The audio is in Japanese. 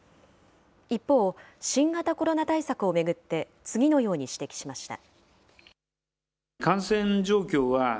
一方、新型コロナ対策を巡って、次のように指摘しました。